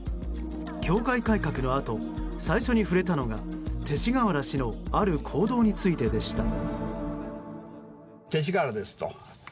教会改革のあと最初に触れたのが勅使河原氏のある行動についてでした。